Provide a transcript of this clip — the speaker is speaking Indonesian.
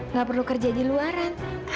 nggak perlu kerja di luaran